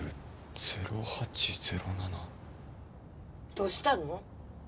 どうしたの？